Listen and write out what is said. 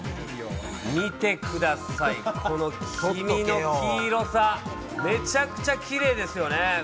見てください、この黄身の黄色さ、めちゃくちゃキレイですよね。